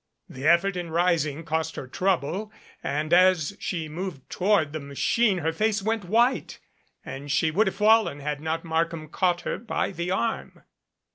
The effort in rising cost her trouble and as she moved toward the machine her face went white and she would have fallen had not Markham caught her by the arm.